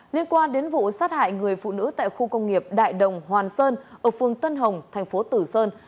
liên quan đến vụ sát hại người phụ nữ tại khu công nghiệp đại đồng hoàn sơn ở phương tân hồng thành phố tử sơn